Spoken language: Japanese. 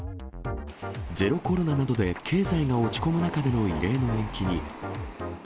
ゼロコロナなどで経済が落ち込む中での異例の延期に。